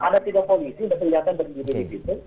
dari satu setengah meter